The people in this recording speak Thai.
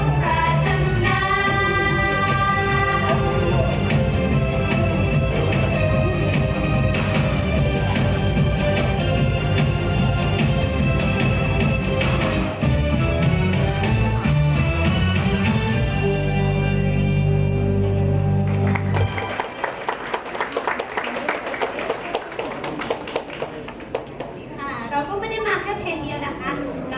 คุณน่ารักคือยังรักที่เวลาให้เจอเท่าไหร่